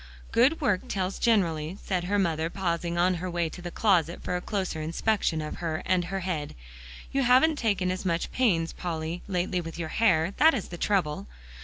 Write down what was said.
"Good work tells generally," said her mother, pausing on her way to the closet for a closer inspection of her and her head; "you haven't taken as much pains, Polly, lately with your hair; that is the trouble."